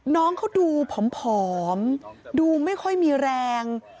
น้องเขาดูผอมดูไม่ค่อยมีแรง